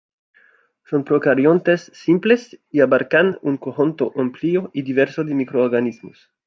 Son procariontes simples y abarcan un conjunto amplio y diverso de microorganismos.